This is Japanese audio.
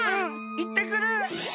いってくる！